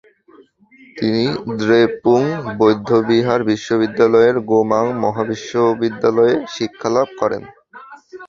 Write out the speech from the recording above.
তিনি দ্রেপুং বৌদ্ধবিহার বিশ্ববিদ্যালয়ের গোমাং মহাবিদ্যালয়ে শিক্ষালাভ করেন।